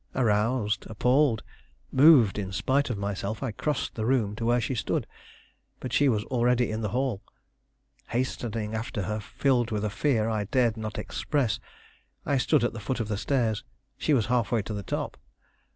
Aroused, appalled, moved in spite of myself, I crossed the room to where she stood; but she was already in the hall. Hastening after her, filled with a fear I dared not express, I stood at the foot of the stairs; she was half way to the top.